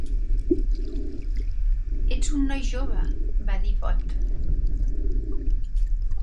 "Ets un noi jove" va dir Pott.